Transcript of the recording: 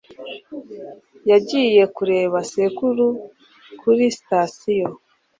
yagiye kureba sekuru kuri sitasiyo